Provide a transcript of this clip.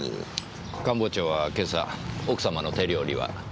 官房長は今朝奥様の手料理は？